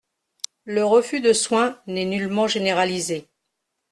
Le refus de soins n’est nullement généralisé.